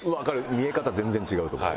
見え方全然違うと思う。